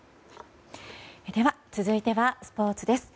続いてはスポーツです。